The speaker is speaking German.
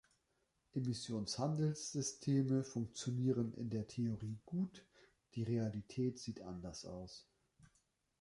Emissionshandelssysteme funktionieren in der Theorie gut, die Realität sieht anders aus.